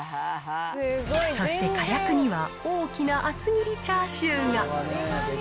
そしてかやくには、大きな厚切りチャーシューが。